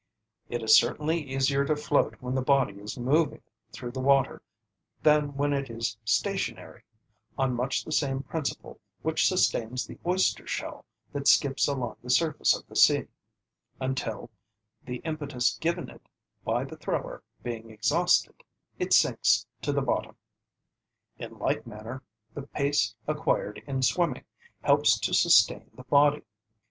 It is certainly easier to float when the body is moving through the water than when it is stationary, on much the same principle which sustains the oyster shell that skips along the surface of the sea, until, the impetus given it by the thrower being exhausted, it sinks to the bottom. In like manner the pace acquired in swimming helps to sustain the body.